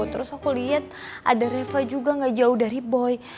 terus aku lihat ada reva juga gak jauh dari boy